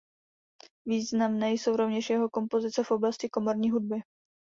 Významné jsou rovněž jeho kompozice v oblasti komorní hudby.